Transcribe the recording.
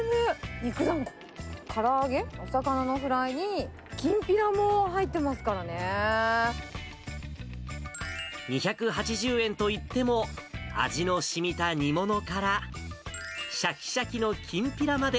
肉だんご、から揚げ、お魚のフライに、きんぴらも入ってますから２８０円といっても、味のしみた煮物から、しゃきしゃきのきんぴらまで。